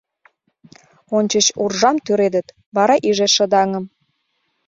Ончыч уржам тӱредыт, вара иже — шыдаҥым.